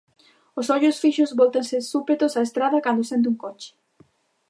Os ollos fixos vóltanse súpetos á estrada cando sente un coche.